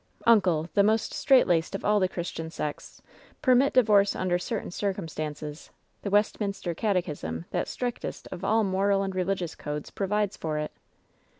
"Uncle! the most straitlaced of all the Christian sects permit divorce under certain circumstances. The Westminster Catechism, that strictest of all moral and religious codes, provides for it."